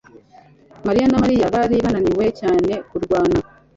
mariya na Mariya bari bananiwe cyane kurwana